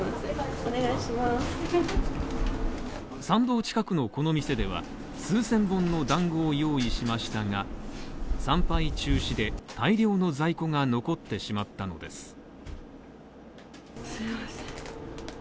参道近くのこの店では、数千本の団子を用意しましたが、参拝中止で大量の在庫が残ってしまったのです